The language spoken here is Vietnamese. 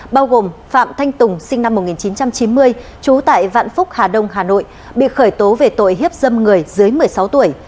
bao gồm phạm thanh tùng sinh năm một nghìn chín trăm chín mươi trú tại vạn phúc hà đông hà nội bị khởi tố về tội hiếp dâm người dưới một mươi sáu tuổi